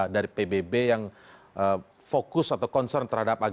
dari pbb yang fokus atau concern terhadap